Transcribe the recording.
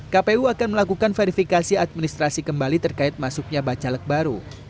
kpu akan melakukan verifikasi administrasi kembali terkait masuknya bacalek baru